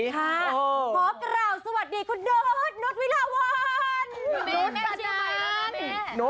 ขอคร่าวสวัสดีคุณโน๊ตโน๊ตวิราวัณ